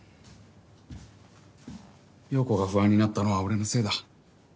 陽子が不安になったのは俺のせいだ。